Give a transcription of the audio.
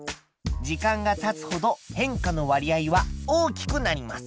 時間がたつほど変化の割合は大きくなります。